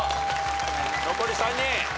残り３人。